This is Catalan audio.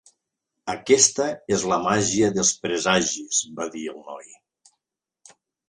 "Aquesta és la màgia dels presagis", va dir el noi.